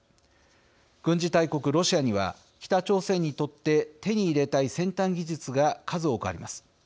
軍事大国、ロシアには北朝鮮にとって手に入れたい先端技術が数多くあります。